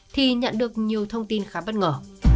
thì nhận được nhiều thông tin khá bất ngờ